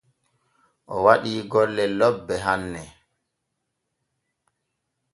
O waɗii golle lobbe hanne.